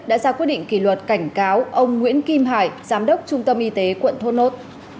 đã ra quyết định kỷ luật cảnh cáo ông nguyễn kim hải giám đốc trung tâm y tế quận thốt nốt